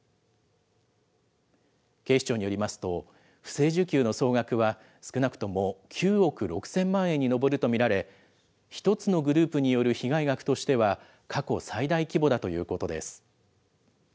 警視庁によりますと、不正受給の総額は、少なくとも９億６０００万円に上ると見られ、１つのグループによる被害額としては、過去最大規模だということです。